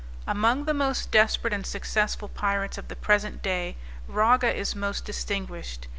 Among the most desperate and successful pirates of the present day, Raga is most distinguished.